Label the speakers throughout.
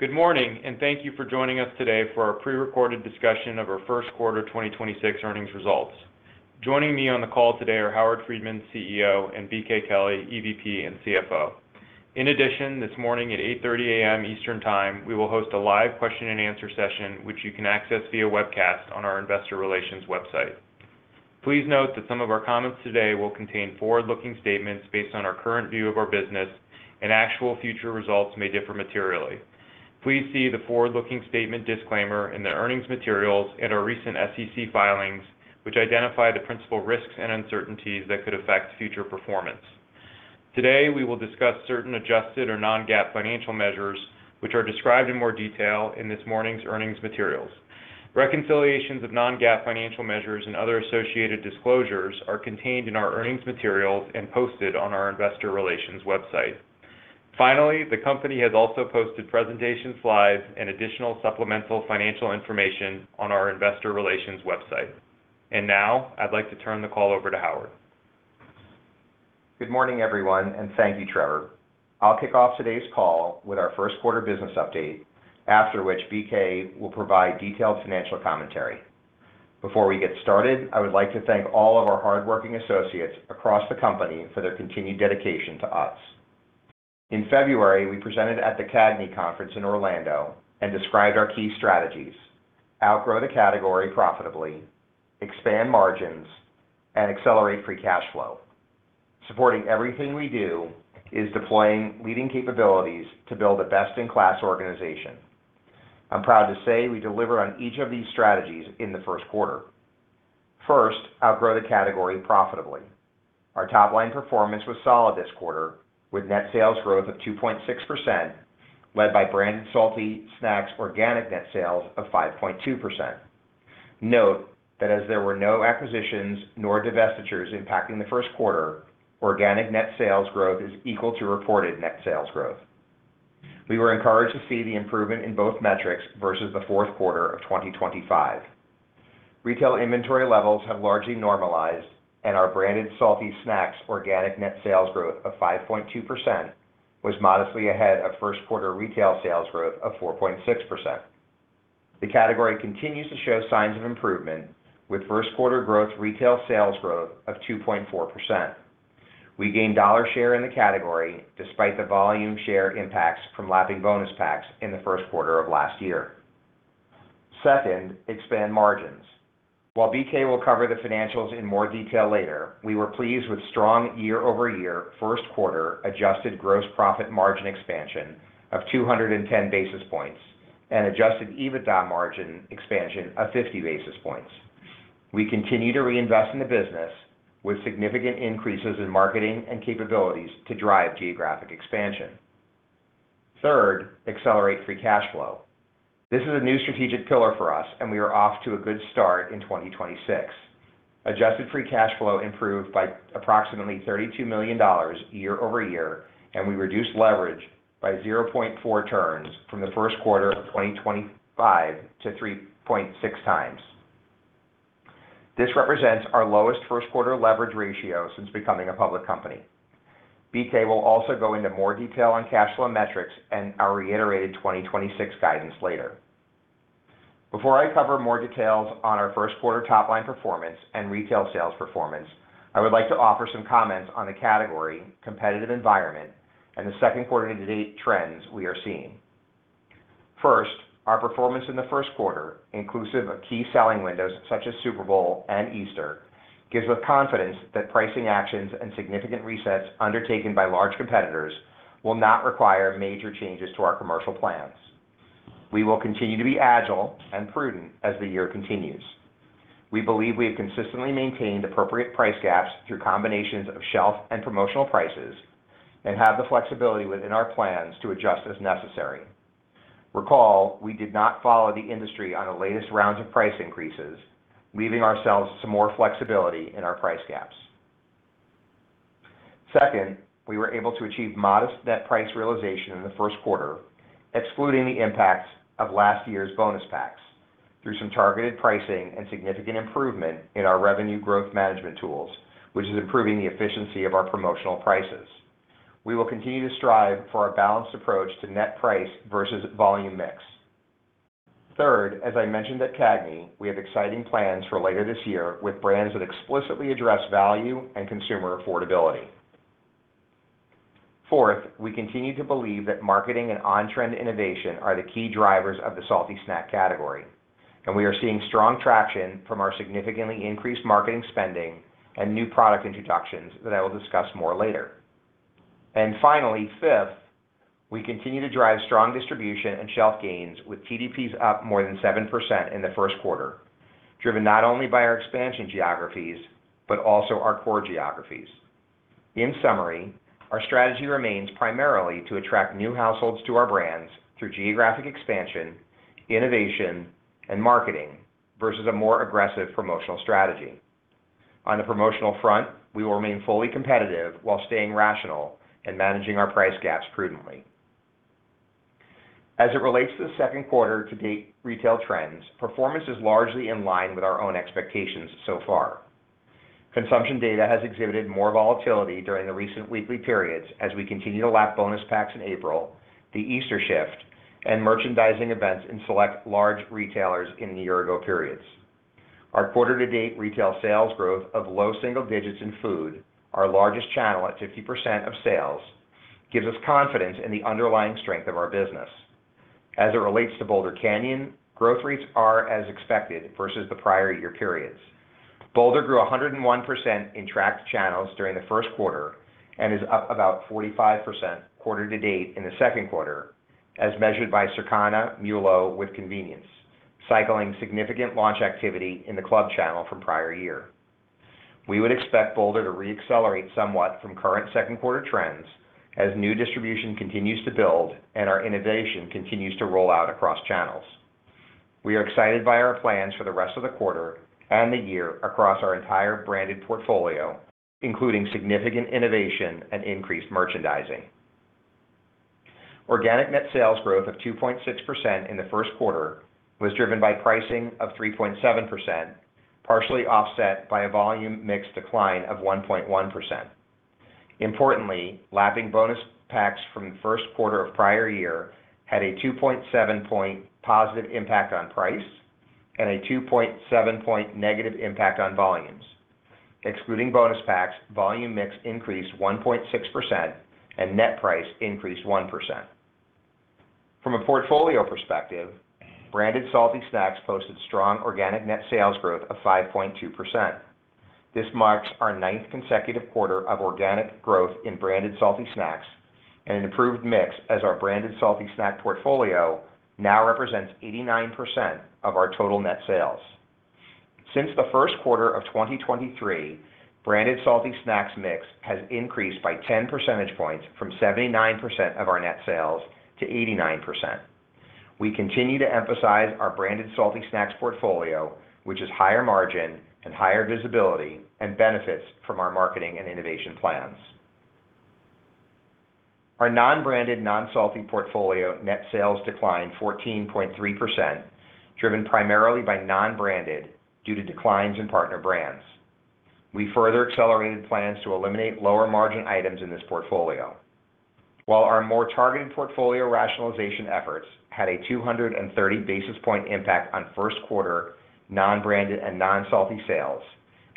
Speaker 1: Good morning, and thank you for joining us today for our prerecorded discussion of our Q1 2026 earnings results. Joining me on the call today are Howard Friedman, CEO, and BK Kelley, EVP and CFO. In addition, this morning at 8:30A.M. Eastern Time, we will host a live question and answer session, which you can access via webcast on our investor relations website. Please note that some of our comments today will contain forward-looking statements based on our current view of our business and actual future results may differ materially. Please see the forward-looking statement disclaimer in the earnings materials and our recent SEC filings, which identify the principal risks and uncertainties that could affect future performance. Today, we will discuss certain adjusted or non-GAAP financial measures, which are described in more detail in this morning's earnings materials. Reconciliations of non-GAAP financial measures and other associated disclosures are contained in our earnings materials and posted on our investor relations website. The company has also posted presentation slides and additional supplemental financial information on our investor relations website. I'd like to turn the call over to Howard.
Speaker 2: Good morning, everyone. Thank you, Trevor. I'll kick off today's call with our Q1 business update, after which BK will provide detailed financial commentary. Before we get started, I would like to thank all of our hardworking associates across the company for their continued dedication to us. In February, we presented at the CAGNY Conference in Orlando and described our key strategies, outgrow the category profitably, expand margins, and accelerate free cash flow. Supporting everything we do is deploying leading capabilities to build a best-in-class organization. I'm proud to say we deliver on each of these strategies in the Q1. First, outgrow the category profitably. Our top line performance was solid this quarter with net sales growth of 2.6%, led by branded salty snacks organic net sales of 5.2%. Note that as there were no acquisitions nor divestitures impacting the Q1, organic net sales growth is equal to reported net sales growth. We were encouraged to see the improvement in both metrics versus the Q4 of 2025. Retail inventory levels have largely normalized, and our branded salty snacks organic net sales growth of 5.2% was modestly ahead of Q1 retail sales growth of 4.6%. The category continues to show signs of improvement with Q1 growth retail sales growth of 2.4%. We gained dollar share in the category despite the volume share impacts from lapping bonus packs in the Q1 of last year. Second, expand margins. While BK will cover the financials in more detail later, we were pleased with strong year-over-year Q1 adjusted gross profit margin expansion of 210 basis points and adjusted EBITDA margin expansion of 50 basis points. We continue to reinvest in the business with significant increases in marketing and capabilities to drive geographic expansion. Third, accelerate free cash flow. This is a new strategic pillar for us, and we are off to a good start in 2026. Adjusted free cash flow improved by approximately $32 million year-over-year, and we reduced leverage by 0.4 turns from the Q1 of 2025 to 3.6x. This represents our lowest Q1 leverage ratio since becoming a public company. BK will also go into more detail on cash flow metrics and our reiterated 2026 guidance later. Before I cover more details on our Q1 top line performance and retail sales performance, I would like to offer some comments on the category, competitive environment, and the Q2 to date trends we are seeing. First, our performance in the Q1, inclusive of key selling windows such as Super Bowl and Easter, gives us confidence that pricing actions and significant resets undertaken by large competitors will not require major changes to our commercial plans. We will continue to be agile and prudent as the year continues. We believe we have consistently maintained appropriate price gaps through combinations of shelf and promotional prices and have the flexibility within our plans to adjust as necessary. Recall, we did not follow the industry on the latest rounds of price increases, leaving ourselves some more flexibility in our price gaps. Second, we were able to achieve modest net price realization in the Q1, excluding the impacts of last year's bonus packs through some targeted pricing and significant improvement in our revenue growth management tools, which is improving the efficiency of our promotional prices. We will continue to strive for a balanced approach to net price versus volume mix. Third, as I mentioned at CAGNY, we have exciting plans for later this year with brands that explicitly address value and consumer affordability. Fourth, we continue to believe that marketing and on-trend innovation are the key drivers of the salty snack category, and we are seeing strong traction from our significantly increased marketing spending and new product introductions that I will discuss more later. Finally, fifth, we continue to drive strong distribution and shelf gains with TDPs up more than 7% in the Q1, driven not only by our expansion geographies, but also our core geographies. In summary, our strategy remains primarily to attract new households to our brands through geographic expansion, innovation, and marketing versus a more aggressive promotional strategy. On the promotional front, we will remain fully competitive while staying rational and managing our price gaps prudently. As it relates to the Q2 to date retail trends, performance is largely in line with our own expectations so far. Consumption data has exhibited more volatility during the recent weekly periods as we continue to lap bonus packs in April, the Easter shift, and merchandising events in select large retailers in the year-ago periods. Our quarter-to-date retail sales growth of low single digits in food, our largest channel at 50% of sales, gives us confidence in the underlying strength of our business. As it relates to Boulder Canyon, growth rates are as expected versus the prior year periods. Boulder grew 101% in tracked channels during the Q1 and is up about 45% quarter to date in the Q2, as measured by Circana MULO with convenience, cycling significant launch activity in the club channel from prior year. We would expect Boulder to re-accelerate somewhat from current Q2 trends as new distribution continues to build and our innovation continues to roll out across channels. We are excited by our plans for the rest of the quarter and the year across our entire branded portfolio, including significant innovation and increased merchandising. Organic net sales growth of 2.6% in the Q1 was driven by pricing of 3.7%, partially offset by a volume mix decline of 1.1%. Importantly, lapping bonus packs from the Q1 of prior year had a 2.7 point positive impact on price and a 2.7 point negative impact on volumes. Excluding bonus packs, volume mix increased 1.6% and net price increased 1%. From a portfolio perspective, branded salty snacks posted strong organic net sales growth of 5.2%. This marks our ninth consecutive quarter of organic growth in branded salty snacks and an improved mix as our branded salty snack portfolio now represents 89% of our total net sales. Since the Q1 of 2023, branded salty snacks mix has increased by 10 percentage points from 79% of our net sales to 89%. We continue to emphasize our branded salty snacks portfolio, which is higher margin and higher visibility and benefits from our marketing and innovation plans. Our non-branded, non-salty portfolio net sales declined 14.3%, driven primarily by non-branded due to declines in partner brands. We further accelerated plans to eliminate lower margin items in this portfolio. While our more targeted portfolio rationalization efforts had a 230 basis point impact on Q1 non-branded and non-salty sales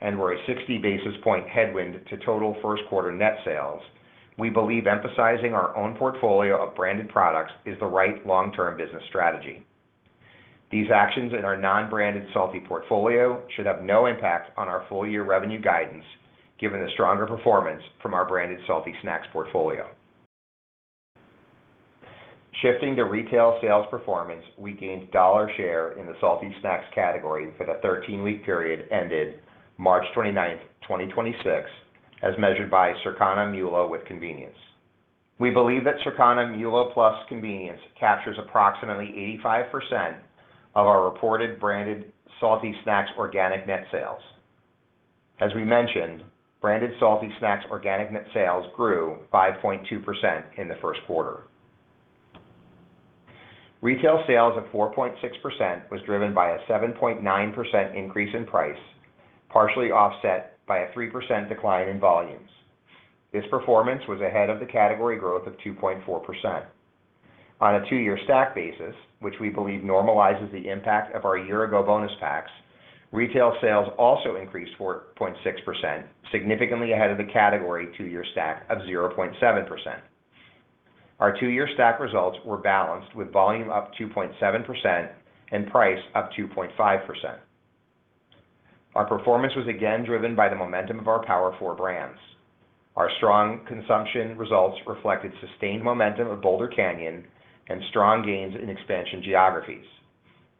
Speaker 2: and were a 60 basis point headwind to total Q1 net sales, we believe emphasizing our own portfolio of branded products is the right long-term business strategy. These actions in our non-branded salty portfolio should have no impact on our full-year revenue guidance given the stronger performance from our branded salty snacks portfolio. Shifting to retail sales performance, we gained dollar share in the salty snacks category for the 13-week period ended March 29, 2026, as measured by Circana MULO with convenience. We believe that Circana MULO plus convenience captures approximately 85% of our reported branded salty snacks organic net sales. As we mentioned, branded salty snacks organic net sales grew 5.2% in the Q1. Retail sales of 4.6% was driven by a 7.9% increase in price, partially offset by a 3% decline in volumes. This performance was ahead of the category growth of 2.4%. On a 2-year stack basis, which we believe normalizes the impact of our year ago bonus packs, retail sales also increased 4.6%, significantly ahead of the category two-year stack of 0.7%. Our two-year stack results were balanced with volume up 2.7% and price up 2.5%. Our performance was again driven by the momentum of our Power Four brands. Our strong consumption results reflected sustained momentum of Boulder Canyon and strong gains in expansion geographies.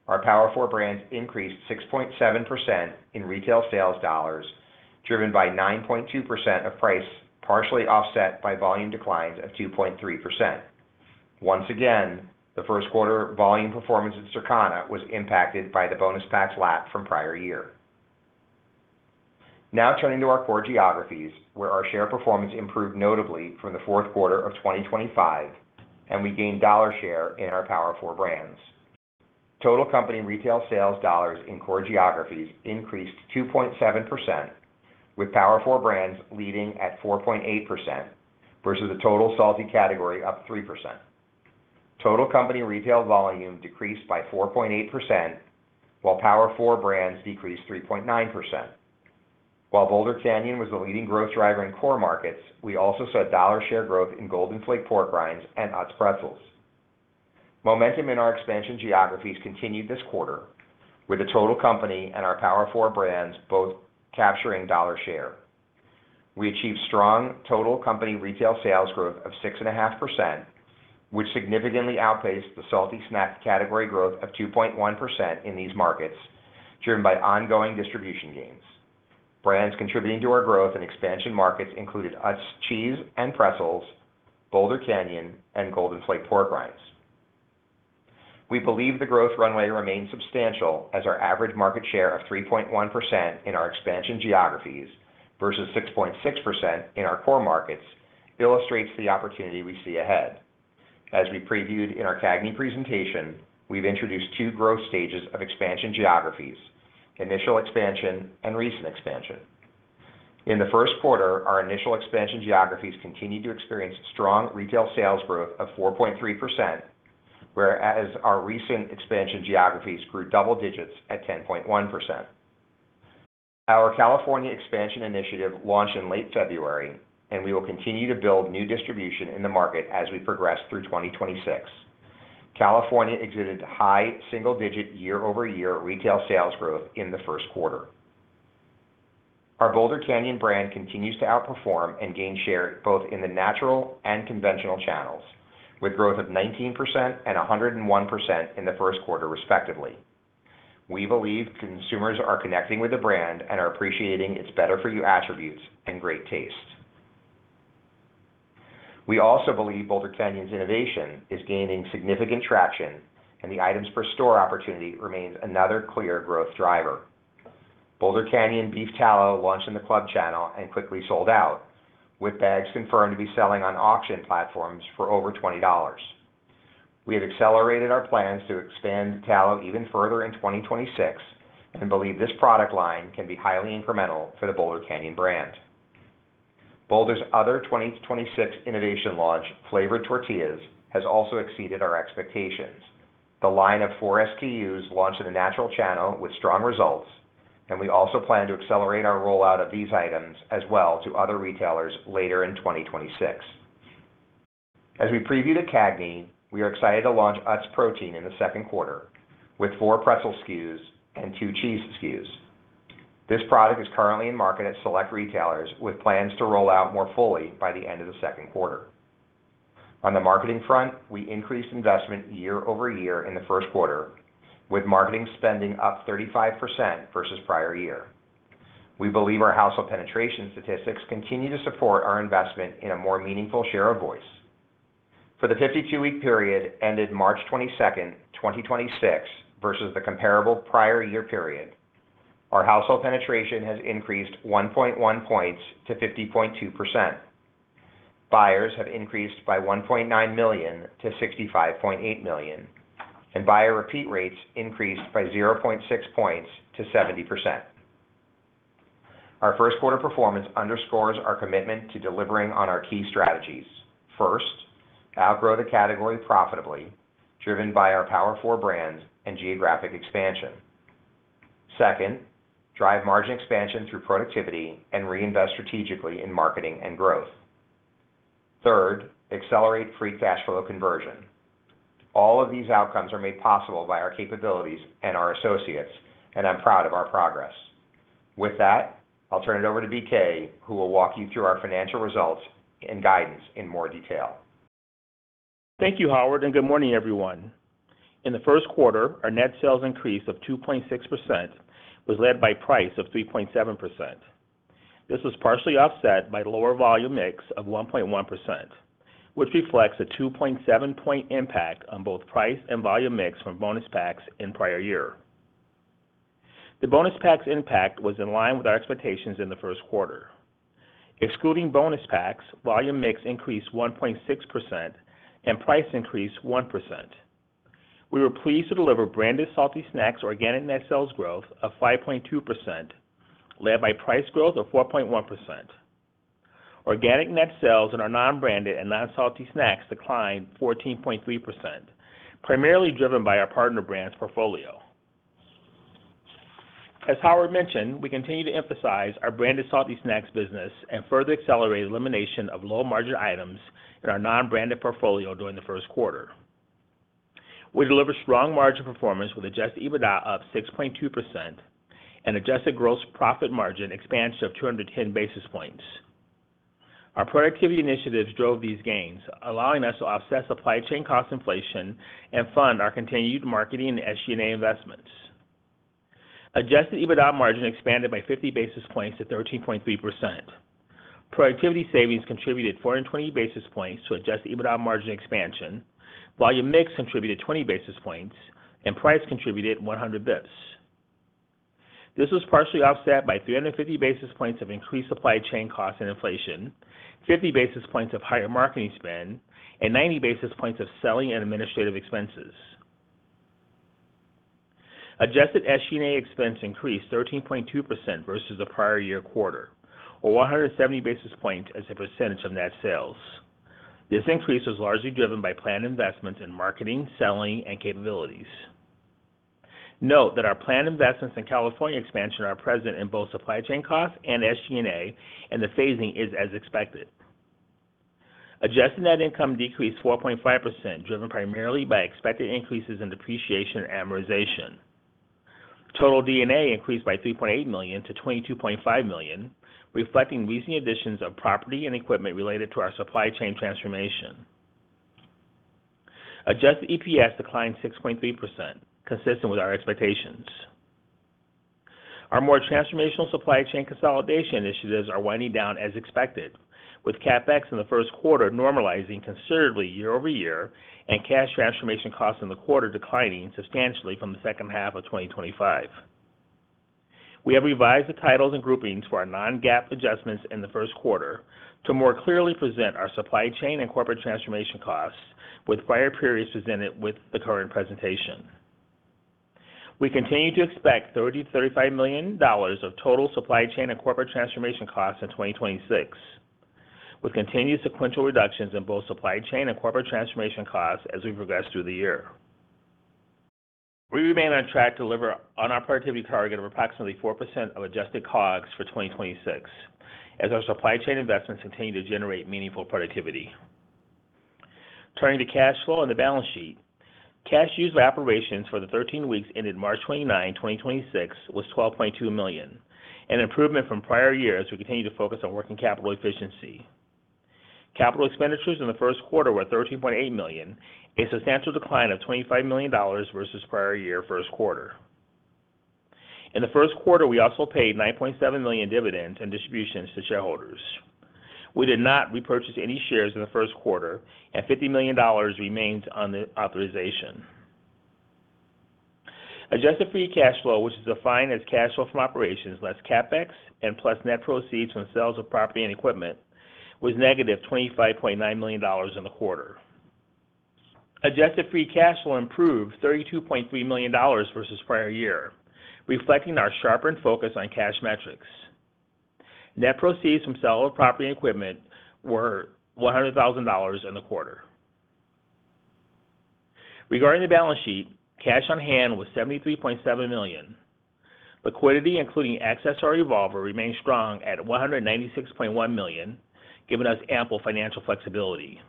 Speaker 2: Our Power Four brands increased 6.7% in retail sales dollars, driven by 9.2% of price, partially offset by volume declines of 2.3%. Once again, the Q1 volume performance at Circana was impacted by the bonus packs lap from prior year. Now turning to our core geographies, where our share performance improved notably from the Q4 of 2025. We gained dollar share in our Power Four brands. Total company retail sales dollars in core geographies increased 2.7%, with Power Four brands leading at 4.8% versus a total salty category up 3%. Total company retail volume decreased by 4.8%, while Power Four brands decreased 3.9%. Boulder Canyon was the leading growth driver in core markets. We also saw dollar share growth in Golden Flake pork rinds and Utz pretzels. Momentum in our expansion geographies continued this quarter, with the total company and our Power Four brands both capturing dollar share. We achieved strong total company retail sales growth of 6.5%, which significantly outpaced the salty snacks category growth of 2.1% in these markets, driven by ongoing distribution gains. Brands contributing to our growth in expansion markets included Utz Cheese and Pretzels, Boulder Canyon, and Golden Flake pork rinds. We believe the growth runway remains substantial as our average market share of 3.1% in our expansion geographies versus 6.6% in our core markets illustrates the opportunity we see ahead. As we previewed in our CAGNY presentation, we've introduced two growth stages of expansion geographies, initial expansion and recent expansion. In the Q1, our initial expansion geographies continued to experience strong retail sales growth of 4.3%, whereas our recent expansion geographies grew double digits at 10.1%. Our California expansion initiative launched in late February. We will continue to build new distribution in the market as we progress through 2026. California exhibited high single-digit year-over-year retail sales growth in the Q1. Our Boulder Canyon brand continues to outperform and gain share both in the natural and conventional channels, with growth of 19% and 101% in the Q1 respectively. We believe consumers are connecting with the brand and are appreciating its better-for-you attributes and great taste. We also believe Boulder Canyon's innovation is gaining significant traction. The items per store opportunity remains another clear growth driver. Boulder Canyon beef tallow launched in the club channel and quickly sold out, with bags confirmed to be selling on auction platforms for over $20. We have accelerated our plans to expand tallow even further in 2026 and believe this product line can be highly incremental for the Boulder Canyon brand. Boulder's other 2026 innovation launch, flavored tortillas, has also exceeded our expectations. The line of four SKUs launched in the natural channel with strong results, and we also plan to accelerate our rollout of these items as well to other retailers later in 2026. As we previewed at CAGNY, we are excited to launch Utz Protein in the Q2 with four pretzel SKUs and two cheese SKUs. This product is currently in market at select retailers with plans to roll out more fully by the end of the Q2. On the marketing front, we increased investment year-over-year in the Q1, with marketing spending up 35% versus prior year. We believe our household penetration statistics continue to support our investment in a more meaningful share of voice. For the 52-week period ended March 22nd, 2026 versus the comparable prior year period, our household penetration has increased 1.1 points to 50.2%. Buyers have increased by 1.9 million to 65.8 million, and buyer repeat rates increased by 0.6 points to 70%. Our Q1 performance underscores our commitment to delivering on our key strategies. Outgrow the category profitably, driven by our Power Four brands and geographic expansion. Drive margin expansion through productivity and reinvest strategically in marketing and growth. Accelerate free cash flow conversion. All of these outcomes are made possible by our capabilities and our associates, and I'm proud of our progress. With that, I'll turn it over to BK, who will walk you through our financial results and guidance in more detail.
Speaker 3: Thank you, Howard. Good morning, everyone. In the Q1, our net sales increase of 2.6% was led by price of 3.7%. This was partially offset by lower volume mix of 1.1%, which reflects a 2.7 point impact on both price and volume mix from bonus packs in prior year. The bonus packs impact was in line with our expectations in the Q1. Excluding bonus packs, volume mix increased 1.6% and price increased 1%. We were pleased to deliver branded salty snacks organic net sales growth of 5.2%, led by price growth of 4.1%. Organic net sales in our non-branded and non-salty snacks declined 14.3%, primarily driven by our partner brands portfolio. As Howard mentioned, we continue to emphasize our branded salty snacks business and further accelerate elimination of low-margin items in our non-branded portfolio during the Q1. We delivered strong margin performance with adjusted EBITDA up 6.2% and adjusted gross profit margin expansion of 210 basis points. Our productivity initiatives drove these gains, allowing us to offset supply chain cost inflation and fund our continued marketing and SG&A investments. Adjusted EBITDA margin expanded by 50 basis points to 13.3%. Productivity savings contributed 420 basis points to adjusted EBITDA margin expansion, volume mix contributed 20 basis points, and price contributed 100 basis points. This was partially offset by 350 basis points of increased supply chain costs and inflation, 50 basis points of higher marketing spend, and 90 basis points of selling and administrative expenses. Adjusted SG&A expense increased 13.2% versus the prior year quarter, or 170 basis points as a percentage of net sales. This increase was largely driven by planned investments in marketing, selling, and capabilities. Note that our planned investments in California expansion are present in both supply chain costs and SG&A, and the phasing is as expected. Adjusted net income decreased 4.5%, driven primarily by expected increases in depreciation and amortization. Total D&A increased by $3.8 million to $22.5 million, reflecting recent additions of property and equipment related to our supply chain transformation. Adjusted EPS declined 6.3%, consistent with our expectations. Our more transformational supply chain consolidation initiatives are winding down as expected, with CapEx in the Q1 normalizing considerably year-over-year and cash transformation costs in the quarter declining substantially from the H2 of 2025. We have revised the titles and groupings for our non-GAAP adjustments in the Q1 to more clearly present our supply chain and corporate transformation costs with prior periods presented with the current presentation. We continue to expect $30 million-$35 million of total supply chain and corporate transformation costs in 2026, with continued sequential reductions in both supply chain and corporate transformation costs as we progress through the year. We remain on track to deliver on our productivity target of approximately 4% of adjusted COGS for 2026 as our supply chain investments continue to generate meaningful productivity. Turning to cash flow and the balance sheet. Cash used for operations for the 13 weeks ended March 29, 2026, was $12.2 million, an improvement from prior years as we continue to focus on working capital efficiency. Capital expenditures in the Q1 were $13.8 million, a substantial decline of $25 million versus prior year Q1. In the Q1, we also paid $9.7 million dividends and distributions to shareholders. We did not repurchase any shares in the Q1, and $50 million remains on the authorization. Adjusted free cash flow, which is defined as cash flow from operations, less CapEx and plus net proceeds from sales of property and equipment, was negative $25.9 million in the quarter. Adjusted free cash flow improved $32.3 million versus prior year, reflecting our sharpened focus on cash metrics. Net proceeds from sale of property and equipment were $100,000 in the quarter. Regarding the balance sheet, cash on hand was $73.7 million. Liquidity, including access to our revolver, remained strong at $196.1 million, giving us ample financial flexibility.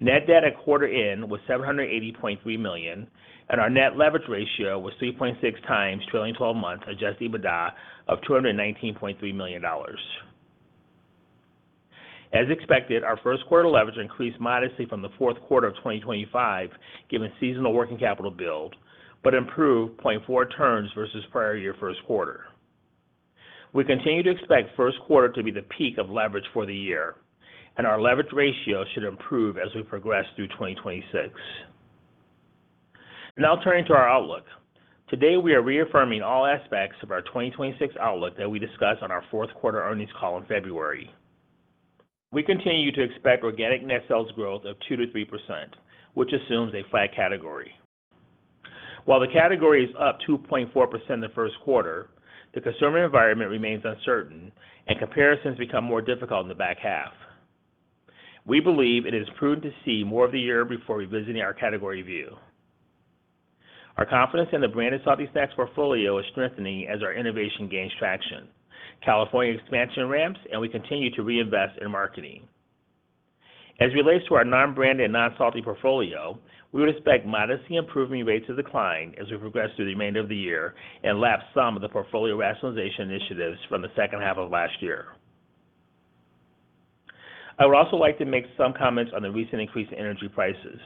Speaker 3: Net debt at quarter in was $780.3 million, and our net leverage ratio was 3.6x trailing twelve months adjusted EBITDA of $219.3 million. As expected, our Q1 leverage increased modestly from the Q4 of 2025, given seasonal working capital build, but improved 0.4 turns versus prior year Q1. We continue to expect Q1 to be the peak of leverage for the year, and our leverage ratio should improve as we progress through 2026. Now turning to our outlook. Today, we are reaffirming all aspects of our 2026 outlook that we discussed on our Q4 earnings call in February. We continue to expect organic net sales growth of 2%-3%, which assumes a flat category. While the category is up 2.4% in the Q1, the consumer environment remains uncertain and comparisons become more difficult in the back half. We believe it is prudent to see more of the year before revisiting our category view. Our confidence in the branded salty snacks portfolio is strengthening as our innovation gains traction, California expansion ramps, and we continue to reinvest in marketing. As it relates to our non-branded, non-salty portfolio, we would expect modestly improving rates of decline as we progress through the remainder of the year and lap some of the portfolio rationalization initiatives from the H2 of last year. I would also like to make some comments on the recent increase in energy prices.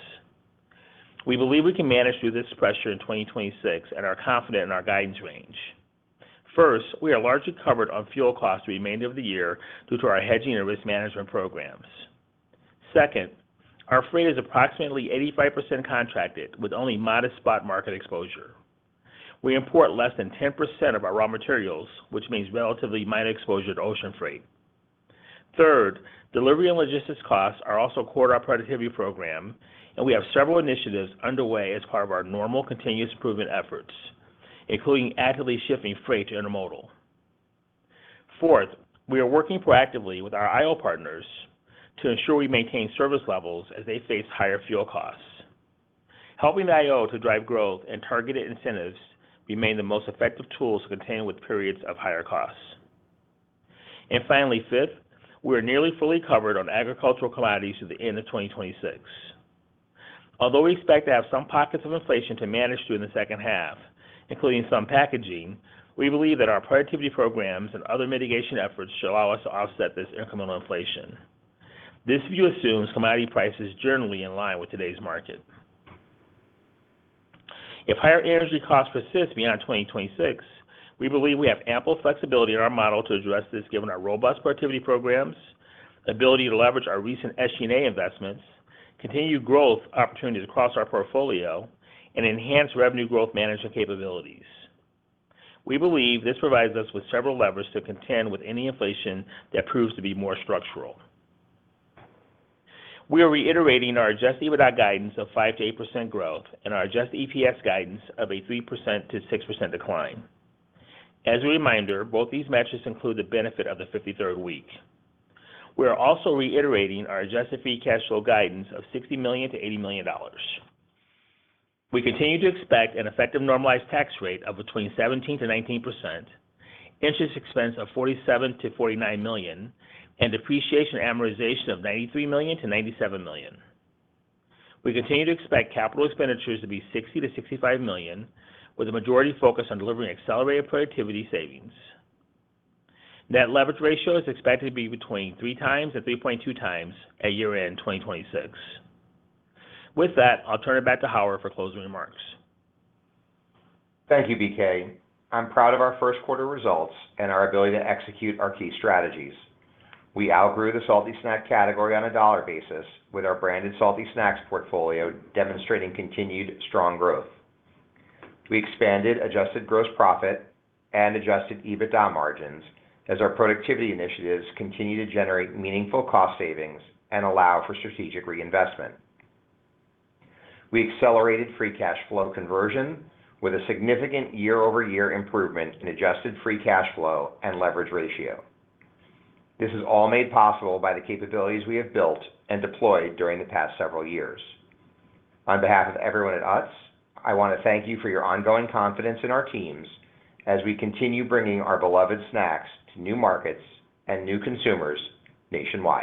Speaker 3: We believe we can manage through this pressure in 2026 and are confident in our guidance range. First, we are largely covered on fuel costs the remainder of the year due to our hedging and risk management programs. Second, our freight is approximately 85% contracted with only modest spot market exposure. We import less than 10% of our raw materials, which means relatively minor exposure to ocean freight. Third, delivery and logistics costs are also core to our productivity program, and we have several initiatives underway as part of our normal continuous improvement efforts, including actively shifting freight to intermodal. Fourth, we are working proactively with our IO partners to ensure we maintain service levels as they face higher fuel costs. Helping the IO to drive growth and targeted incentives remain the most effective tools to contend with periods of higher costs. Finally, fifth, we are nearly fully covered on agricultural commodities through the end of 2026. Although we expect to have some pockets of inflation to manage through in the H2, including some packaging, we believe that our productivity programs and other mitigation efforts should allow us to offset this incremental inflation. This view assumes commodity prices generally in line with today's market. If higher energy costs persist beyond 2026, we believe we have ample flexibility in our model to address this, given our robust productivity programs, ability to leverage our recent SG&A investments, continued growth opportunities across our portfolio, and enhanced revenue growth management capabilities. We believe this provides us with several levers to contend with any inflation that proves to be more structural. We are reiterating our adjusted EBITDA guidance of 5%-8% growth and our adjusted EPS guidance of a 3%-6% decline. As a reminder, both these measures include the benefit of the 53rd week. We are also reiterating our adjusted free cash flow guidance of $60 million-$80 million. We continue to expect an effective normalized tax rate of between 17%-19%, interest expense of $47 million-$49 million, and depreciation and amortization of $93 million-$97 million. We continue to expect capital expenditures to be $60 million-$65 million, with the majority focused on delivering accelerated productivity savings. Net leverage ratio is expected to be between 3x and 3.2x at year-end 2026. With that, I'll turn it back to Howard for closing remarks.
Speaker 2: Thank you, BK. I'm proud of our Q1 results and our ability to execute our key strategies. We outgrew the salty snack category on a dollar basis with our branded salty snacks portfolio demonstrating continued strong growth. We expanded adjusted gross profit and adjusted EBITDA margins as our productivity initiatives continue to generate meaningful cost savings and allow for strategic reinvestment. We accelerated free cash flow conversion with a significant year-over-year improvement in adjusted free cash flow and leverage ratio. This is all made possible by the capabilities we have built and deployed during the past several years. On behalf of everyone at Utz, I want to thank you for your ongoing confidence in our teams as we continue bringing our beloved snacks to new markets and new consumers nationwide.